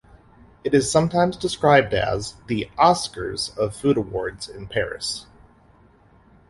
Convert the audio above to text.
It is sometimes described as the "Oscars of food awards in Paris".